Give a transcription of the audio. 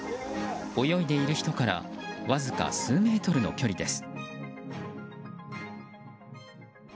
泳いでいる人からわずか数メートルの距離です。